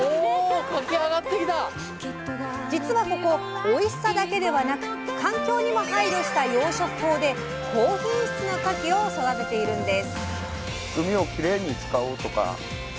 実はここおいしさだけではなく環境にも配慮した養殖法で高品質のかきを育てているんです。